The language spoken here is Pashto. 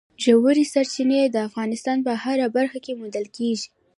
ژورې سرچینې د افغانستان په هره برخه کې موندل کېږي.